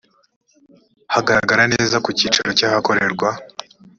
hagaragara neza ku cyicaro cy ahakorerwa